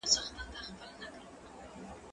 زه اوږده وخت ليکنه کوم